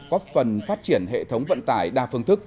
góp phần phát triển hệ thống vận tải đa phương thức